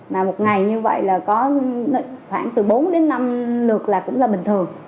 mà một ngày như vậy là có khoảng từ bốn đến năm lượt là cũng là bình thường